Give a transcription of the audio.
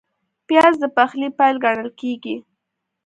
پیاز د پخلي پیل ګڼل کېږي